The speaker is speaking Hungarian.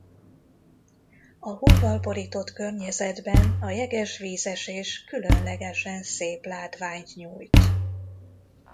A hóval borított környezetben a jeges vízesés különlegesen szép látványt nyújt.